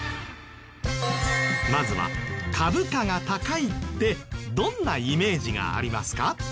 まずは株価が高いってどんなイメージがありますか？